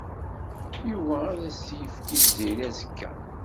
Yuba ad as-t-yefk i Tiziri azekka.